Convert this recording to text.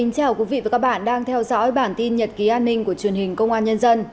chào mừng quý vị đến với bản tin nhật ký an ninh của truyền hình công an nhân dân